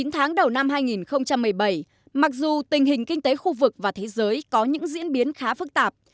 chín tháng đầu năm hai nghìn một mươi bảy mặc dù tình hình kinh tế khu vực và thế giới có những diễn biến khá phức tạp